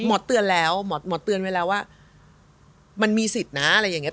เตือนแล้วหมอเตือนไว้แล้วว่ามันมีสิทธิ์นะอะไรอย่างนี้